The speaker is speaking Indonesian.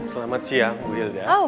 selamat siang ibu hilda